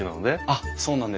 あっそうなんです。